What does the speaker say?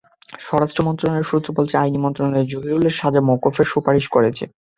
স্বরাষ্ট্র মন্ত্রণালয়ের সূত্র বলেছে, আইন মন্ত্রণালয় জহিরুলের সাজা মওকুফের সুপারিশ করেছে।